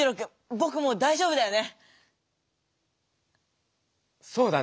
ぼくもうだいじょうぶだよね？